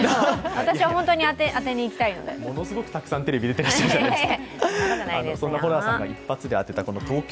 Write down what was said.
私、ホントに当てにいきたいのでものすごくたくさんテレビ出てらっしゃるじゃないですか。